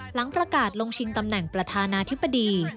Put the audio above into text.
หลังประกาศลงชิงตำแหน่งประธานาธิบดี